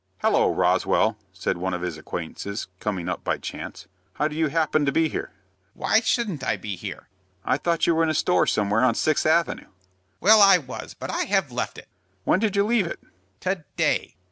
"Hallo, Roswell!" said one of his acquaintances, coming up by chance. "How do you happen to be here?" "Why shouldn't I be here?" "I thought you were in a store somewhere on Sixth Avenue." "Well, I was, but I have left it." "When did you leave it?" "To day."